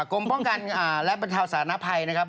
กรมป้องกันและบรรเทาสารภัยนะครับ